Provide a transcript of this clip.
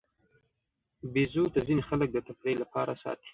بیزو ته ځینې خلک د تفریح لپاره ساتي.